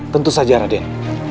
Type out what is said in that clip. tentu saja raden